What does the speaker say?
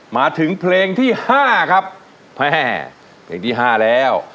มาถึงเพลงที่๕ครับแม่เพลงที่๕แล้ว